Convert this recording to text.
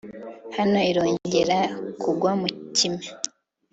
Hano irongera kugwa mu kime